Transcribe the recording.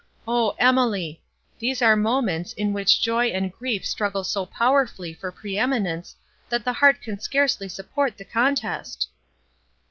O Emily! these are moments, in which joy and grief struggle so powerfully for pre eminence, that the heart can scarcely support the contest!"